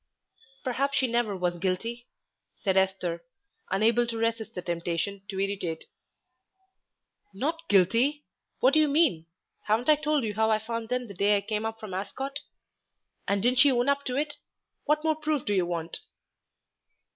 "Perhaps she never was guilty," said Esther, unable to resist the temptation to irritate. "Not guilty! what do you mean? Haven't I told you how I found them the day I came up from Ascot?... And didn't she own up to it? What more proof do you want?"